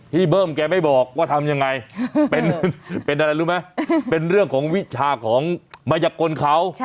เบิ้มแกไม่บอกว่าทำยังไงเป็นอะไรรู้ไหมเป็นเรื่องของวิชาของมายกลเขา